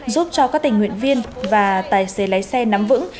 giúp cho các tình nguyện viên và tài xế lái xe nắm vững